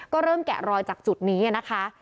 ก็เริ่มแกะรอยจากจุดนี้นะคะ